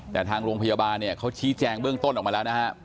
แต่ทางโรงพยาบาลเนี่ยเขาชี้แจงเบื้องต้นออกมาแล้วนะฮะ